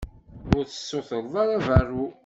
Ur tessutred ara berru?